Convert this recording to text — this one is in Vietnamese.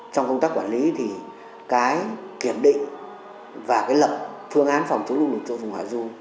trong công tác quản lý thì cái kiểm định và cái lập phương án phòng chống lưu lực cho phòng hòa du